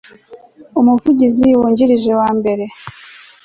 umuvugizi wungirije wa mbere